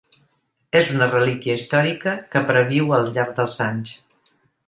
És una relíquia històrica que perviu al llarg dels anys.